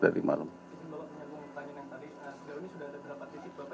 sekarang ini sudah ada berapa titik bapak yang dilakukan